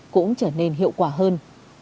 cũng trở nên hiệu quả hơn